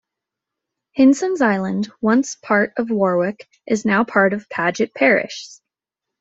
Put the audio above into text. Hinson's Island, once part of Warwick, is now part of Paget Parish.